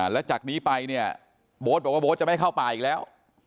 แล้วจากนี้ไปเนี่ยโบ๊ทบอกว่าโบ๊ทจะไม่เข้าป่าอีกแล้ว